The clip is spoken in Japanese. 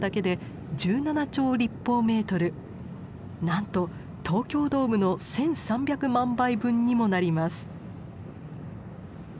なんと東京ドームの１，３００万杯分にもなります。